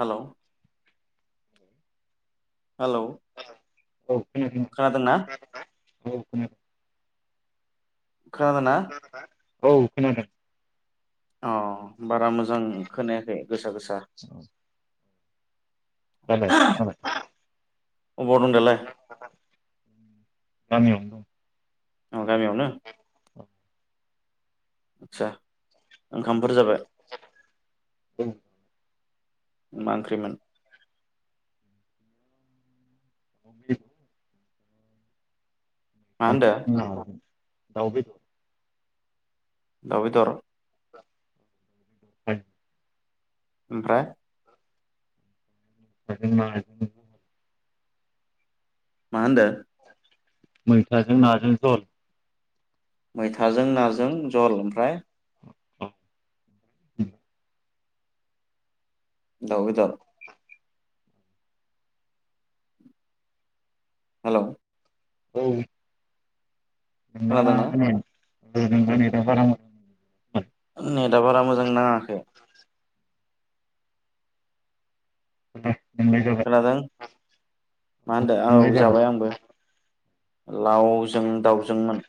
हेल' hello औ खोनादों खोनादोंना? [unintelligible] खानादोंना? औ खोनादों अ बारा मोजां मोजां खोनायाखै गोसा गोसा जाबाय जाबाय अबाव दं दालाय गामियाव गामि आवना आस्सा ओंखामफोर जाबाय औ मा ओंख्रिमोन मा होनदो दाव बे दाव बेदर इमफ्राय मैथाजों नाजों मा होनदों मैथाजों नाजों जल मैथाजों नाजों जल ओमफ्राय दाव बेदर हेल' औ नोंना खोनादोंना खोनायानो [unintelligible] नेटआ बारा मोजां नाङाखै [unintelligible] खोनादों मा होनदो औ जाबाय आंबो लावजों दाावजोंमोन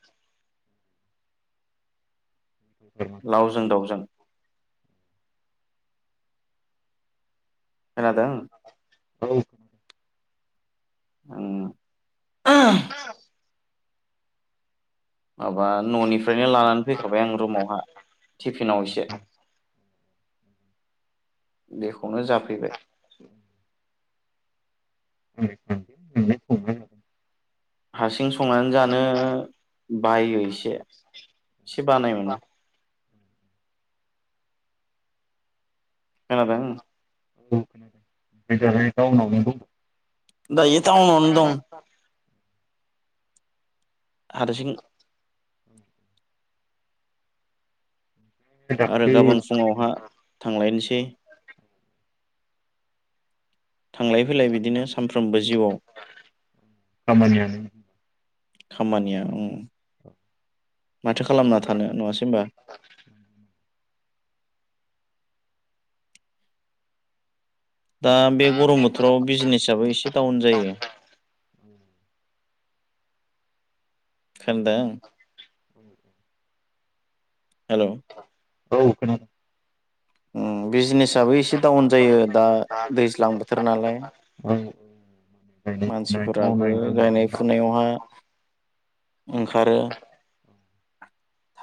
खोनादों लावजों दाउजों। खोनादों? औ' उम! माबा न'निफ्रायनो लानानै फैखाबाय आं रुमावहा टिफिनाव एसे बेखौनो जाफैबाय। सानदों नोंलाय हारसिं संनानै जानो संबाय बायो एसे एसे बानाय औ मोनो। खोनादों? खोनादों [unintelligible] दायो टाउनावनो दं। हारसिं आरो दाख्लै गाबोन फुङावहा- थांलायनोसै। थांलाय फैलाय बिदिनो सानफ्रोमबो जिउआव खामानियानो खामानिया उम! माथो खालामना थानो नङासै होनोमबा? दा बे गरम बोथोराव बिजनेसाबबो एसे डाउन जायो। खोनादों हेल' औ खोनादों उम बिजनेसआबो एसे डाउन जायो दा दैज्लां बोथोर नालाय औ माने गायनाय फुनाय मानसिफोराबो मावनाय दांनायनि गायनाय फुनायावहा ओंखारो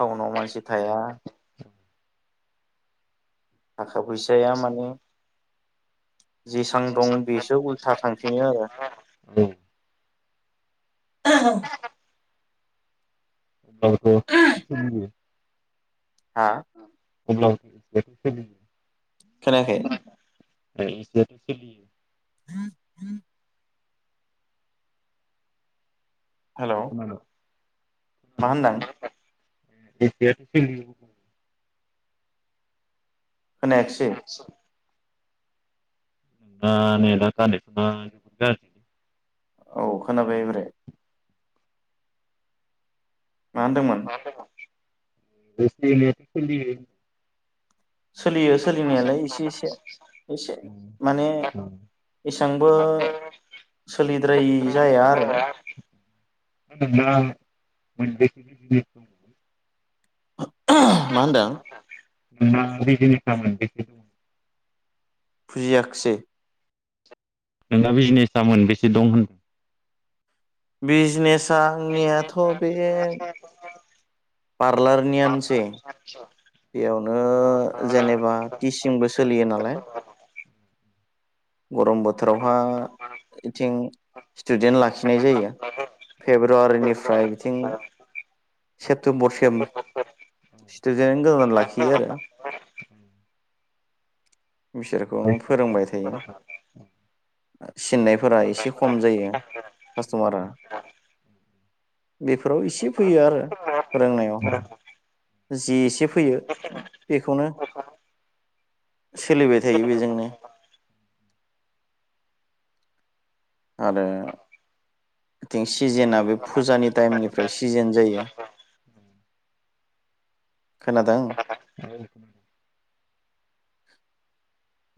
टाउनाव मानसि थाया। थाखा फैसाया माने जेसां दं बेसो उल्था थांफिनो आरो। औ अब्लाबोथ' एसे सोलियो हा? अब्लाबो एसेयाथ' सोलियो खोनाखै! एसेयाथ' सोलियो [unintelligible] हेल' मा होनदां? खोनादों [unintelligible] खोनायाखिसै! [unintelligible] औ खोनाबाय एबारै। मा होनदोंमोन? एसे एनैआसो सोलियो। सोलियो सोलिनायालाय एसे एसे एसे माने एसांबो सोलिद्रायि जाया आरो। [unintelligible] मा होनदों? [unintelligible] फुजियाखिसै? नोंना बिजनेस मोनबेसे दं होनदों? बिजनेस आ आंनियाथ' बे पार्लारनियानोसै बेयावनो जेनेबा टिसिंबो सोलियो नालाय। होनदों गरम बोथोरावहा बिथिं स्टुदेन्ट लाखिनाय जायो फेब्रुवारिनिफ्राय बिथिं सेप्तेम्बरसिम स्टुदेन्ट गोदान लाखियो आरो। बिसोरखौ फोरोंबाय थायो। सिननायफोरा एसे खम जायो कास्ट'मारा बेफोराव इसे फैयो आरो फोरोंनायावहा। जे एसे फै फैयो बेखौनो सोलिबाय थायो बेजोंनो आरो इथिं सिजेना बे फुजानि टाइमनिफ्राय सिजेन जायो। खोनादों?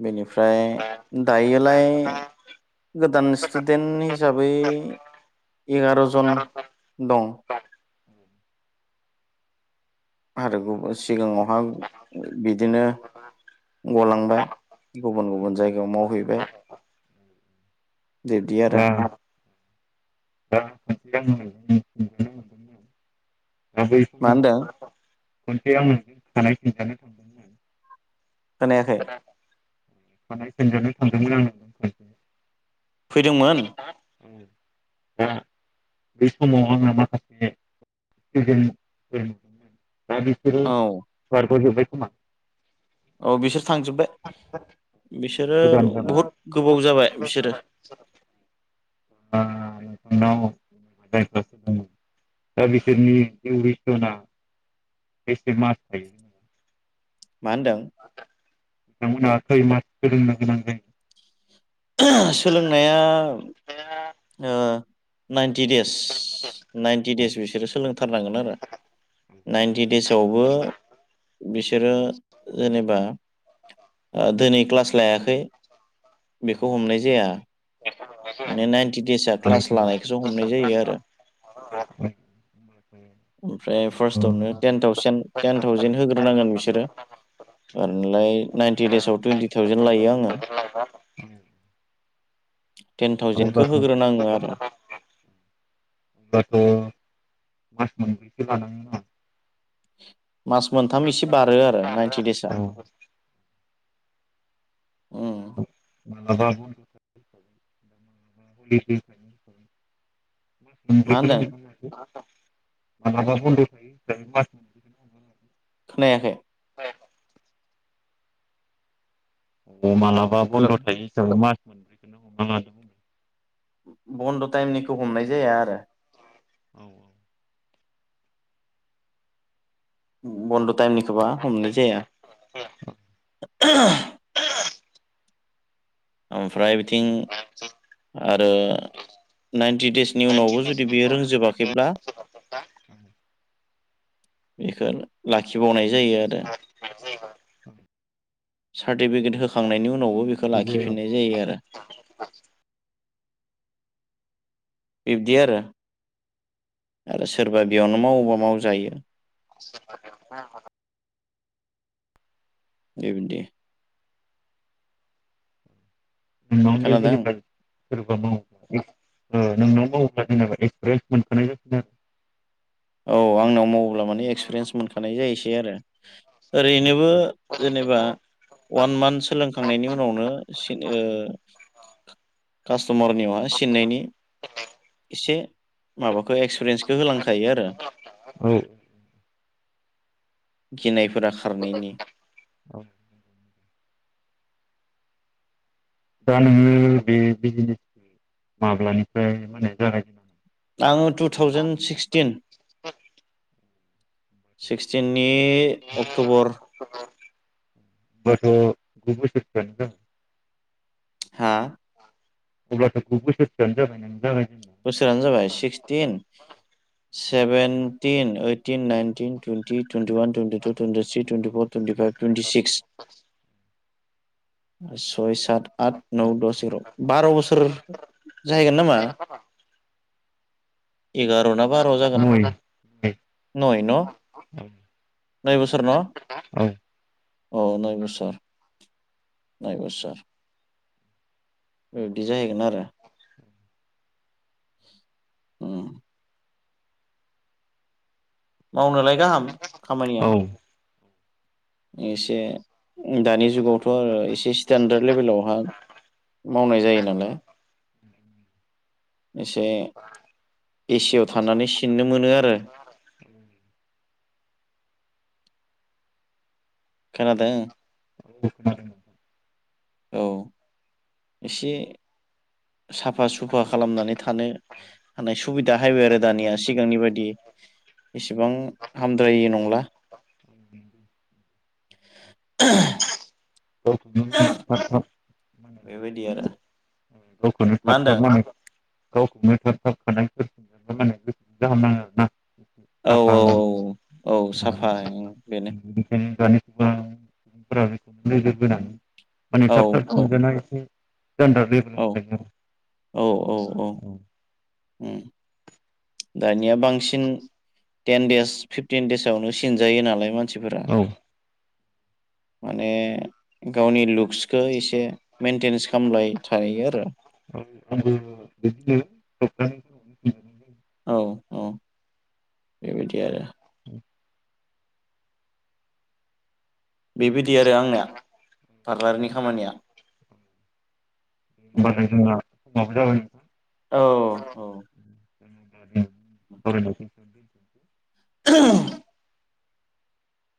बेनिफ्राय दायोलाय गोदान स्टुडेन्ट हिसाबै एगार'जन दं। आरोबाव सिगाङावहा बिदिनो गलांबाय गुबुन गुबुन जायगायाव मावहैबाय बिब्दि आरो। दा दा खनसे आङो खुंजानो मोनदोंमोन दा बै मा समाव होनदों? [unintelligible] थांदोंमोन खोनायाखै खानाय सिनजानो थांदोंमोन आं नोंजों खनसे औ फैदोंमोन बे समाव आङो माखासे [unintelligible] दा बिसोरो औ बारग' जोबबाय। खोमा औ बिसोर थांजोब्बाय, बिसोरो गोदान जाबाय बहुद गोबाव जाबाय दा बिसोरो। [unintelligible] दा बिसोरनि दिउरिसना बेसे मास थायो? मा होनदों? बिथांमोनहा खै मास सोलोंनो गोनां जायो? सोलोंनाया ओ नाइन्टि दे स नाइनटि औ देस बिसोरो सोलोंथारनांगोन आरो नाइनटि देसावबो बि सोरो जेनेबा ओ दोनै क्लास लायाखै बेखौ औ हमनाय जाया। माने नाइनटि देस आ क्लास लानायखौसो हमनाय जायो आरो। ओमफ्राय फार्स्टावनो टेन थावसेन टेन थावजेन होग्रोनांगोन बिसोरो ओनलाय। थार्टि देसाव टुइन्टि थावजेन लायो आङो। [unintelligible] टेन थावजेनखो अब्लाथ' होग्रोनाङो आरो होनब्लाथ' मास मोनब्रैसो लानाङो [unintelligible] मास मोनथाम एसे बारो आरो नाइ औ। औ। मालाबा हिसाबै [unintelligible] मास मा होनदों मोनब्रैखौनो हमना [unintelligible] [unintelligible] खोनायाखै। अ मालाबा हेलौ बन्द' थायो हिसाबै मा [unintelligible] बन्द' टाइमनिखौ हमनाय जाया आरो औ औ। बन्द' टाइमनिखोबा हमनाय जाया। ओमफ्राय बिथिं बन्द' आरो नाइन्टि देसनि थायो उनावबो हिसाबै जुदि मास बेयो मोनब्रैखौनो रोंजोबाखैब्ला बेखौ लाखिबावनाय जायो आरो। सार्टिफिकेट होखांनायनि उ नावबो बेखौ हमना लादो लाखिफिननाय जायो आरो बिब्दि आरो आरो सोरबा बेयावनो मावोबा मावजायो। [unintelligible] [unintelligible] [unintelligible] खोनादों सोरबा मावोब्ला ओ नोंनाव मावोब्ला जेनेबा एक्सपिरियेन्स मोनखानाय जासिगोन आरो। औ आंनाव माव अब्ला माने एक्सपिरियेन्स मोनखानाय जायैसै आरो। ओरैनोबो जेनेबा अवान मान्थ सोलोंखांनायनि उनावनो सिन ओ कास्टमारनियावहाय सिननायनि एसे माबाखो एक्सपिरियेन्सखौ होलांखायो आरो औ गिनाय फोरा औ खारनायनि दा नोङो बे बिजनेसखौ माब्लानिफ्राय मोने जागाय आङो टु थावजेन सिक्सटिन सिक्सटिननि नि अक्ट'बर होमबाथ' [unintelligible] हा? अब्लाथ' गु बोसोरसआनो जाबाय नों जागाय बोसोरानो जाबाय sixteen seventeen eighteen nineteen twenty twenty one twenty two twenty three twenty four twenty five twenty six [inaudible] सय सा त आत नौ द'स एग्र बार' बोसोर जाहैगोन नामा? एगार' र'ना बार' जागोन। नय न' ओं नय बोसोर न' औ औ नय बोसोर नय बोसोर बिदि जाहैगोन आरो उम मावनोलाय गाहाम खामानिया औ एसे दानि जुगावथ' ओ एसे स्टेेनडार्द लेभेलावहा मावनाय जायो नालाय एसे एसियाव औ थानानै औ सिननो मोनो गावखौनो आरो थाब खोनादों औ एसे साफा सुफा खालामनानै थानो हानाय सुबिदा हायबाय आरो दानिया सिगांनि बायदि एसेबां हामद्रायि नंला। बेबायदि आरो [inaudible] मा होनदों गावखौनो थाब थाब [inaudible] माने गोसोखौ गाहाम नाङो आरोना औ साफा औ मोनो। औ औ साफा ओं बेनो बेनिखायनो दानि गोबां सुबुंफोरा बेखौनो नोजोर बोनानै माने औ थाब थाब सिनजाना एसे औ नि औ औ औ [inaudible] उम दानिया बांसिन टेन देस फिफटिन देसवनो सिनजायो नालाय मान- सिफोरा औ माने गावनि लुक्सखौ एसे मेइेनटेेनस खामलाय थायो आरो औ आंदिनो सत [inaudible] औ औ बेबायदि आरो बेबायदि आरो आंनाया जायो। पारलारनि खामानिया होमबालथाय जोंना फङाबो जाबाय नोंां [unintelligible] औ औ एसेयावनो दोनथ'नोसै। [inaudible]